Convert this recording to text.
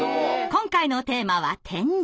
今回のテーマは「点字」。